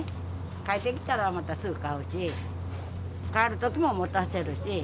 帰ってきたらまたすぐ買うし、帰るときも持たせるし。